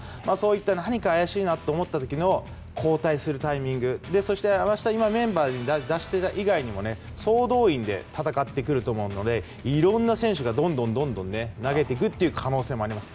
なので何か怪しいなと思った時の交代するタイミングそして明日は今メンバーに出していた以外にも総動員で戦ってくると思うのでいろんな選手がどんどん投げていくという可能性もあります。